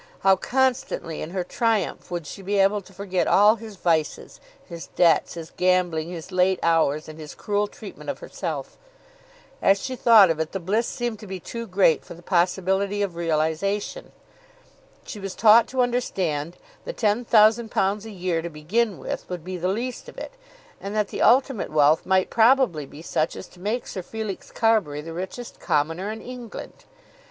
How constantly in her triumph would she be able to forget all his vices, his debts, his gambling, his late hours, and his cruel treatment of herself! As she thought of it the bliss seemed to be too great for the possibility of realisation. She was taught to understand that £10,000 a year, to begin with, would be the least of it; and that the ultimate wealth might probably be such as to make Sir Felix Carbury the richest commoner in England.